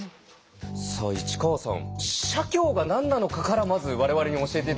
さあ市川さん社協が何なのかからまず我々に教えて頂けますか。